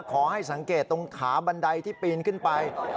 ขอให้สังเกตตรงขาบันไดที่ปีนขึ้นไป